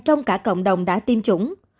trong cả cộng đồng đã tiêm chủng